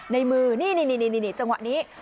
ในมือนี่จังหวะนี้